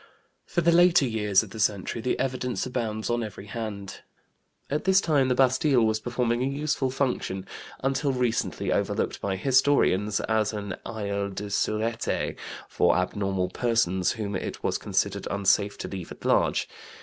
For the later years of the century the evidence abounds on every hand. At this time the Bastille was performing a useful function, until recently overlooked by historians, as an asile de sureté for abnormal persons whom it was considered unsafe to leave at large.